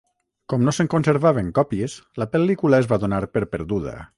Com no se’n conservaven còpies, la pel·lícula es va donar per perduda.